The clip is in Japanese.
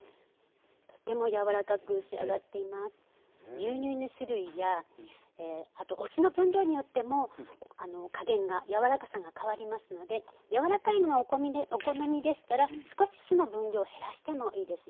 牛乳の種類やお酢の分量によっても加減がやわらかさが変わりますのでやわらかいものがお好みでしたら少し酢の分量を減らしてもいいですよ。